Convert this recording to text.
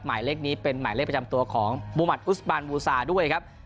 หมายเลขนี้เป็นหมายเลขประจำตัวของมุมัติอุสบานบูซาด้วยครับ